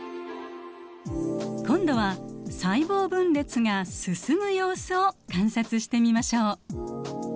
今度は細胞分裂が進む様子を観察してみましょう。